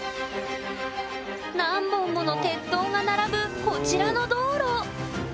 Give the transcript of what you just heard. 何本もの鉄塔が並ぶこちらの道路。